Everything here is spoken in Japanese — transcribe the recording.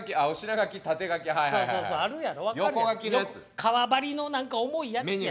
革張りの何か重いやつや。